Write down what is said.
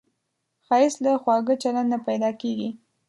ښایست له خواږه چلند نه پیدا کېږي